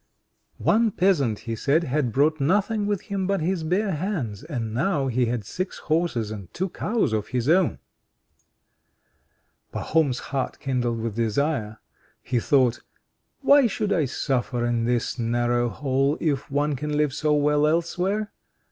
One peasant, he said, had brought nothing with him but his bare hands, and now he had six horses and two cows of his own. Pahom's heart kindled with desire. He thought: "Why should I suffer in this narrow hole, if one can live so well elsewhere?